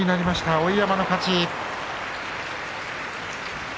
碧山の勝ち。